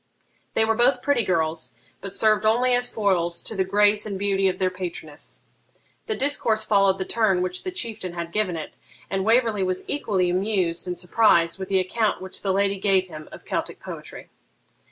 They were both pretty girls, but served only as foils to the grace and beauty of their patroness. The discourse followed the turn which the Chieftain had given it, and Waverley was equally amused and surprised with the account which the lady gave him of Celtic poetry.